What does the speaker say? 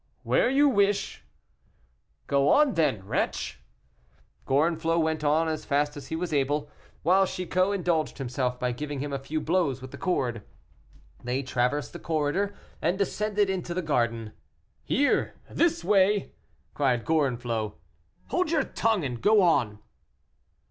"Where you wish." "Go on, then, wretch." Gorenflot went on as fast as he was able, while Chicot indulged himself by giving him a few blows with the cord. They traversed the corridor, and descended into the garden. "Here! this way," said Gorenflot. "Hold your tongue, and go on."